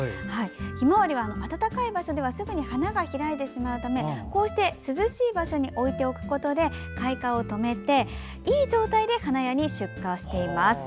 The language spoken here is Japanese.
ひまわりは暖かい場所ではすぐに花が開いてきてしまうのでこうして涼しい場所に置いておくことで開花を止めて、いい状態で花屋に出荷しています。